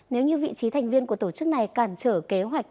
nếu như vị trí thành viên của tổ chức này cản trở kế hoạch